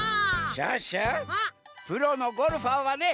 シュッシュプロのゴルファーはね